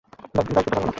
বাইর করতে পারবেন না!